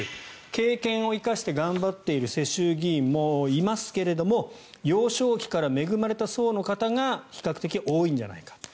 経験を生かして頑張っている世襲議員もいますが幼少期から恵まれた層の方が比較的多いんじゃないかと。